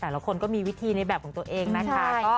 แต่ละคนก็มีวิธีในแบบของตัวเองนะคะ